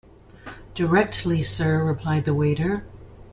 ‘Directly, sir,’ replied the waiter.